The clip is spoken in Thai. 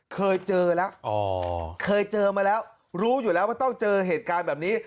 เคยเจอแล้วเคยเจอมาแล้วรู้อยู่แล้วว่าต้องเจอเหตุการณ์แบบนี้